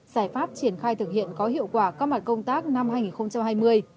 giải pháp triển khai thực hiện có hiệu quả các mặt công tác năm hai nghìn hai mươi